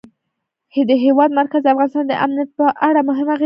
د هېواد مرکز د افغانستان د امنیت په اړه هم اغېز لري.